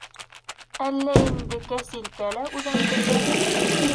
Әллә инде кәсилкә лә үҙендеке?